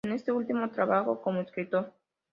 En este último trabajó como escritor.